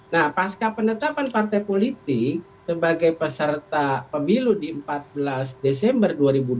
nah pasca penetapan partai politik sebagai peserta pemilu di empat belas desember dua ribu dua puluh